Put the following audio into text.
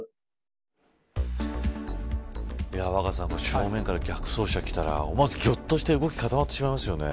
正面から、逆走車が来たら思わず、ぎょっとして動きが固まってしまいますよね。